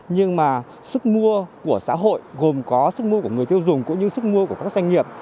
nhưng mà sức mua của xã hội gồm có sức mua của người tiêu dùng cũng như sức mua của các doanh nghiệp